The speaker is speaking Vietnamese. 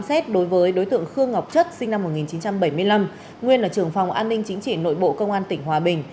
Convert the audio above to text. xét đối với đối tượng khương ngọc chất sinh năm một nghìn chín trăm bảy mươi năm nguyên là trưởng phòng an ninh chính trị nội bộ công an tỉnh hòa bình